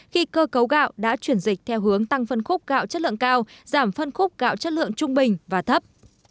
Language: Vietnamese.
khi cơ cấu gạo đã chuyển dịch theo hướng tăng phân khúc gạo chất lượng cao giảm phân khúc gạo chất lượng trung bình và thấp